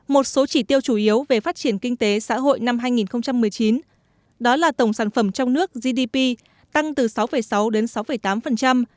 một số chỉ tiêu chủ yếu về phát triển kinh tế xã hội năm hai nghìn một mươi chín đó là tổng sản phẩm trong nước gdp tăng từ sáu sáu đến sáu tám